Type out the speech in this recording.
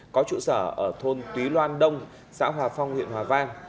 có trụ sở ở thôn túy loan đông xã hòa phong huyện hòa vang